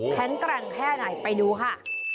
แข็งแกร่งแค่ไหนไปดูค่ะ